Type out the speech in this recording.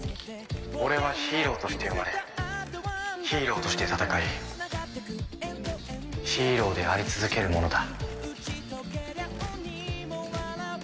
俺はヒーローとして生まれヒーローとして戦いヒーローであり続ける者だ。